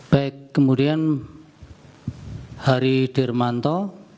baik kemudian hari dirmanto